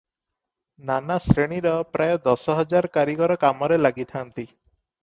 ନାନା ଶ୍ରେଣୀର ପ୍ରାୟ ଦଶ ହଜାର କାରିଗର କାମରେ ଲାଗିଥାନ୍ତି ।